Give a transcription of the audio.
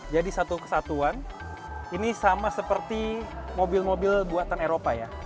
jadi satu kesatuan ini sama seperti mobil mobil buatan eropa ya